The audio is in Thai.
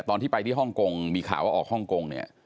ตอนที่ไปที่ฮ่องกงมีข่าวว่าออกฮ่องกงเนี่ย